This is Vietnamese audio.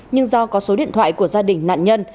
nhưng do có số điện thoại của gia đình nạn nhân